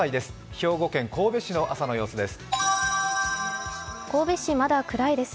兵庫県神戸市の朝の様子です。